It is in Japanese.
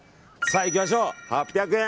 行きましょう、８００円。